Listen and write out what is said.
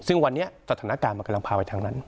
ซึ่งวันนี้สถานการณ์มันกำลังพาไปทางนั้น